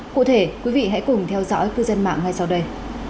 cụ thể quý vị hãy cùng theo dõi cư dân mạng ngay sau đây